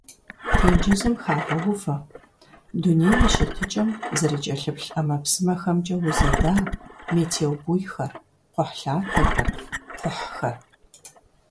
Тенджызым хагъэувэ дунейм и щытыкӀэм зэрыкӀэлъыплъ ӀэмэпсымэхэмкӀэ узэда метеобуйхэр, кхъухьлъатэхэр, кхъухьхэр.